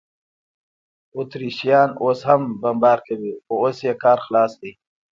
اتریشیان اوس هم بمبار کوي، خو اوس یې کار خلاص دی.